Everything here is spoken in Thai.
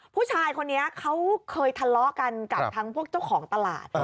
ผู้ชายคนนี้เขาเคยทะเลาะกันกับทั้งพวกเจ้าของตลาด